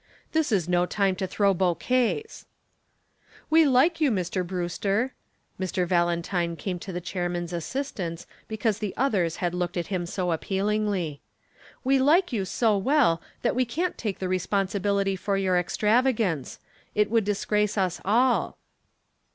"This is no time to throw bouquets." "We like you, Brewster." Mr. Valentine came to the chairman's assistance because the others had looked at him so appealingly. "We like you so well that we can't take the responsibility for your extravagance. It would disgrace us all."